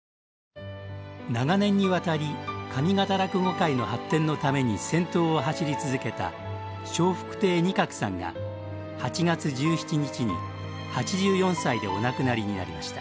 長年にわたり上方落語界の発展のために先頭を走り続けた笑福亭仁鶴さんが８月１７日に８４歳でお亡くなりになりました。